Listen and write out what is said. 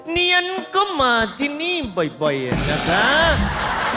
เนียนก็มาที่นี่บ่อยนะครับ